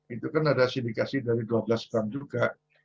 itu kan ada sindikasi dari dua belas bank juga